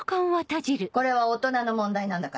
これは大人の問題なんだから。